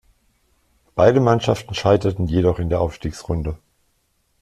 Beide Mannschaften scheiterten jedoch in der Aufstiegsrunde.